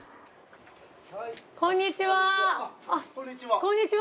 こんにちは。